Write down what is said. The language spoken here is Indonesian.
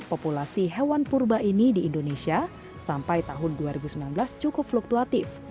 populasi hewan purba ini di indonesia sampai tahun dua ribu sembilan belas cukup fluktuatif